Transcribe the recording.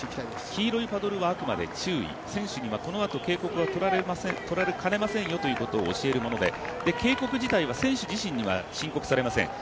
黄色いパドルはあくまでも注意選手にはこのあと警告が取られかねませんよというもので警告自体は選手自身には宣告されません。